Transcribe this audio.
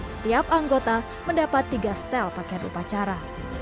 setiap anggota mendapat tiga setel pakaian upacara